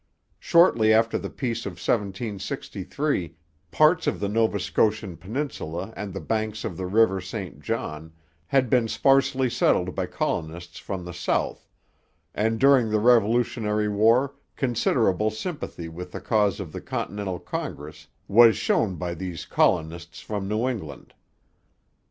Shortly after the Peace of 1763 parts of the Nova Scotian peninsula and the banks of the river St John had been sparsely settled by colonists from the south; and during the Revolutionary War considerable sympathy with the cause of the Continental Congress was shown by these colonists from New England.